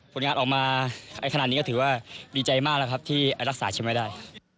ผลงานออกมาขนาดนี้ก็ถือว่าดีใจมากแล้วครับที่รักษาใช่ไหมได้